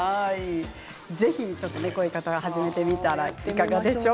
ぜひ、こういう方始めてみたらいかがでしょう？